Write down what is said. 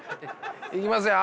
いきますよ。